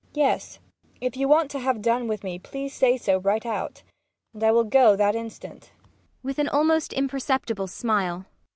MAIA. Yes, if you want to have done with me, please say so right out. And I will go that instant. PROFESSOR RUBEK. [With an almost imperceptible smile.